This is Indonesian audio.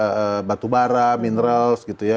ada batu bara mineral gitu ya